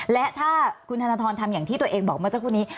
และถ้าคุณธนทรทำอย่างที่ตัวเองบอกเมื่อสักครู่นี้